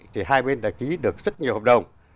thì hai bên đã ký được rất nhiều hợp đồng